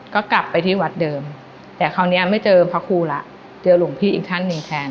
ก็กลับไปที่วัดเดิมแต่คราวนี้ไม่เจอพระครูแล้วเจอหลวงพี่อีกท่านหนึ่งแทน